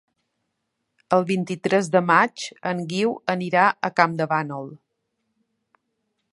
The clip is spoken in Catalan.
El vint-i-tres de maig en Guiu anirà a Campdevànol.